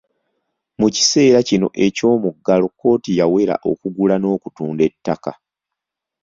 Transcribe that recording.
Mu kiseera kino eky’omuggalo kkooti yawera okugula n’okutunda ettaka.